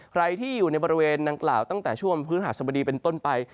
ใครที่อยู่ในบริเวณดังกล่าวตั้งแต่ช่วงพื้นหาสมดีเป็นต้นไป